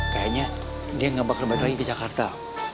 kayaknya dia gak bakal balik lagi ke jakarta